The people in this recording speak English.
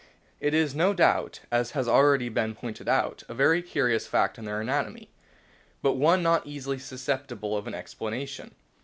It is no doubt, as has already been pointed out, a very curious fact in their anatomy, and one not easily susceptible of an explanation.